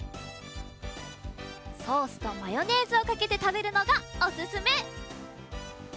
ソースとマヨネーズをかけてたべるのがおすすめ！